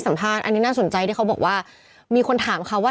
ทำงานครบ๒๐ปีได้เงินชดเฉยเลิกจ้างไม่น้อยกว่า๔๐๐วัน